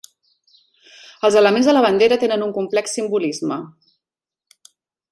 Els elements de la bandera tenen un complex simbolisme.